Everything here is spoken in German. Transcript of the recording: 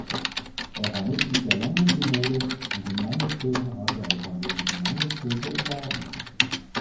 Er war Mitglied der Landessynode und im Landeskirchenrat der Evangelischen Landeskirche in Baden.